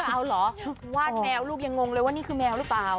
เอาเหรอวาดแมวลูกยังงงเลยว่านี่คือแมวหรือเปล่า